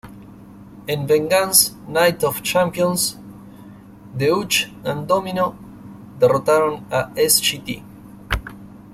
En Vengeance: Night of Champions, Deuce 'N Domino derrotaron a Sgt.